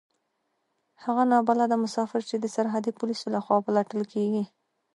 هغه نا بلده مسافر چې د سرحدي پوليسو له خوا پلټل کېږي.